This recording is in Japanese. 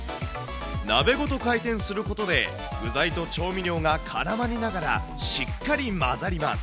鍋ごと回転することで、具材と調味料が絡まりながら、しっかり混ざります。